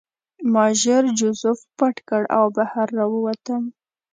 ما ژر جوزف پټ کړ او بهر راووتم